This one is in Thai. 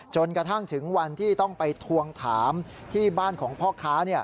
จนกระทั่งถึงวันที่ต้องไปทวงถามที่บ้านของพ่อค้า